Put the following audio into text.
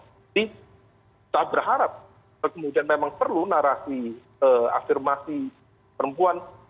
jadi saya berharap kemudian memang perlu narasi afirmasi perempuan